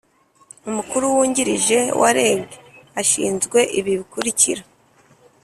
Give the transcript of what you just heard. Umukuru wungirije wa rgb ashinzwe ibi bikurikira